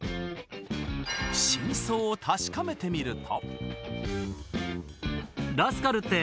真相を確かめてみると。